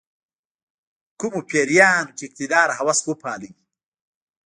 کومو پیریانو چې اقتدار هوس وپاللو.